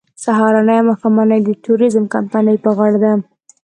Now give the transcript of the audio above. سهارنۍ او ماښامنۍ د ټوریزم کمپنۍ په غاړه ده.